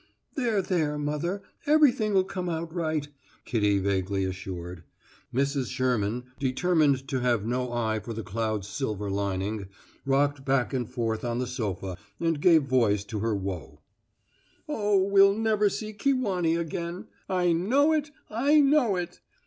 "There there, mother; everything'll come out right," Kitty vaguely assured. Mrs. Sherman, determined to have no eye for the cloud's silver lining, rocked back and forth on the sofa and gave voice to her woe: "Oh, we'll never see Kewanee again. I know it! I know it!